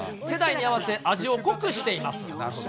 世代に合わせ、味を濃くしています。